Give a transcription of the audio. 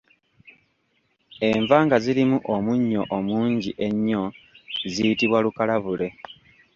Enva nga zirimu omunnyo omungi ennyo ziyitibwa Lukalabule.